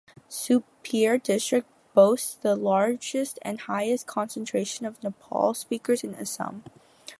Sonitpur district boasts the largest and highest concentration of Nepali speakers in Assam.